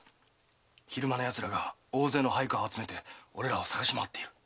昼間の奴らが大勢の配下を集めて俺らを捜し回っている。